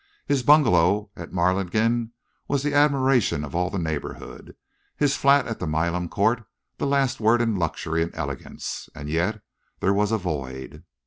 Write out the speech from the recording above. His bungalow at Marlingden was the admiration of all the neighbourhood, his flat at the Milan Court the last word in luxury and elegance. And yet there was a void.